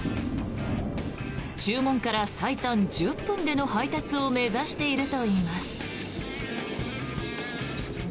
注文から最短１０分での配達を目指しているといいます。